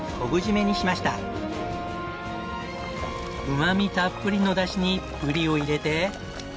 うま味たっぷりのだしにブリを入れて。